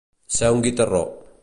Ser un guitarró.